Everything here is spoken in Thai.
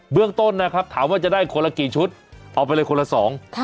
เรื่องต้นนะครับถามว่าจะได้คนละกี่ชุดเอาไปเลยคนละสอง